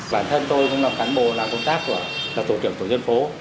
bản thân tôi cũng là cán bộ làm công tác của tổ kiểm tổ dân phố